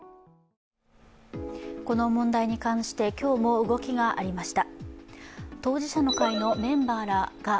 この問題に関して、今日も動きがありました。